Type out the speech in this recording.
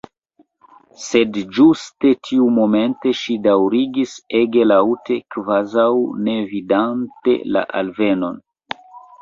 Sed ĝuste tiumomente ŝi daŭrigis ege laŭte, kvazaŭ ne vidante la alvenon.